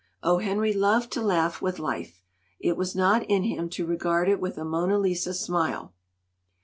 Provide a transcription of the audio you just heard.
O. Henry loved to laugh with life! It was not in him to regard it with a Mona Lisa smile."